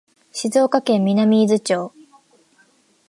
静岡県南伊豆町